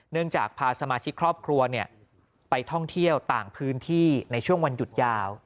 จากพาสมาชิกครอบครัวไปท่องเที่ยวต่างพื้นที่ในช่วงวันหยุดยาว